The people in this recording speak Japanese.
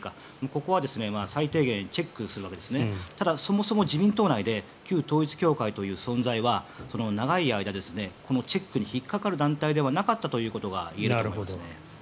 ここは最低限チェックするわけですただ、そもそも自民党内で旧統一教会という存在は長い間このチェックに引っかかる段階ではなかったということがいわれています。